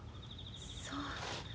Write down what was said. そう。